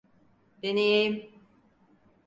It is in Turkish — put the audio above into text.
Deneyeyim.